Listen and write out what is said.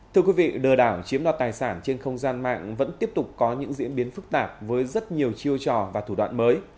thưa quý vị lừa đảo chiếm đoạt tài sản trên không gian mạng vẫn tiếp tục có những diễn biến phức tạp với rất nhiều chiêu trò và thủ đoạn mới